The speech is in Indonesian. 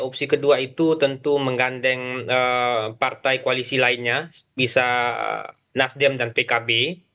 opsi kedua itu tentu menggandeng partai koalisi lainnya bisa nasdem dan pkb